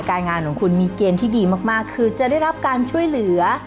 การงานของคุณมีเกณฑ์ที่ดีมากคือจะได้รับการช่วยเหลือ